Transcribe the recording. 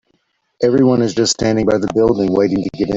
Everyone is just standing by the building, waiting to get in.